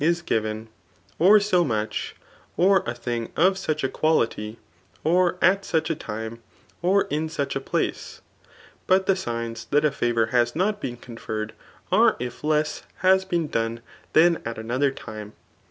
is given, or so "much, or 'a thing of spch a quality, or, it such a timi^ orin sucb a place* Sut the s%ns [that! a fkvimrhas liotbeen'conferred^ are if liesa has been*' done tbaii at another; time.